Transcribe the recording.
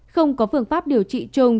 không có phương pháp điều trị chung